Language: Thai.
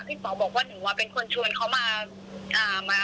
พี่เป๋าบอกว่าหนูว่าเป็นคนชวนเขามา